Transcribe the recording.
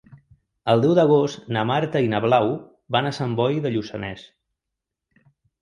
El deu d'agost na Marta i na Blau van a Sant Boi de Lluçanès.